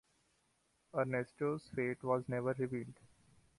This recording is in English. Ernesto's fate was never revealed.